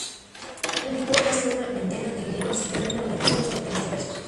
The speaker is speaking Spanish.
Publicó casi una veintena de libros y gran número de artículos sobre temas diversos.